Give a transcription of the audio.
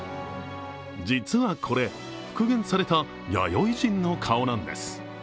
実はこれ、復元された弥生人の顔なんです。